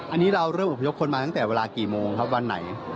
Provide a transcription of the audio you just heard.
อันนี้เราเริ่มอบพยพคนมาตั้งแต่เวลากี่โมงครับวันไหน